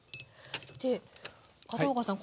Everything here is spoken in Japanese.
で片岡さん